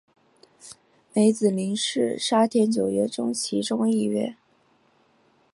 梅子林是沙田九约中其中一约。